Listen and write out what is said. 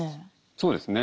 そうですね。